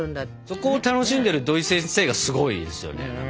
そこを楽しんでる土井先生がすごいですよね。